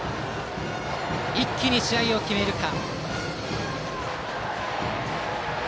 一気に試合を決めるか。